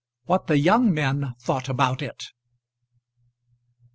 WHAT THE YOUNG MEN THOUGHT ABOUT IT.